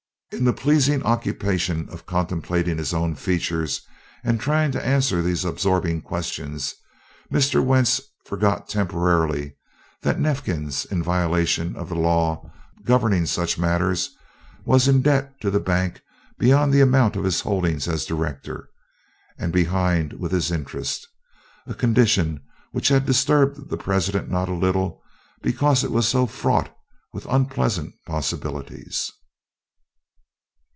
In the pleasing occupation of contemplating his own features and trying to answer these absorbing questions, Mr. Wentz forgot temporarily that Neifkins, in violation of the law governing such matters, was in debt to the bank beyond the amount of his holdings as director, and behind with his interest a condition which had disturbed the president not a little because it was so fraught with unpleasant possibilities.